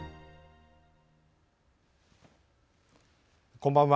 こんばんは。